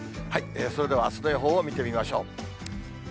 それではあすの予報を見てみましょう。